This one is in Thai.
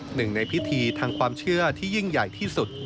หนึ่งในพิธีทางความเชื่อที่ยิ่งใหญ่ที่สุด